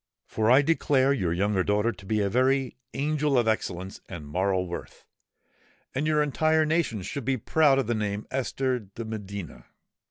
For I declare your younger daughter to be a very angel of excellence and moral worth; and your entire nation should be proud of the name of Esther de Medina!"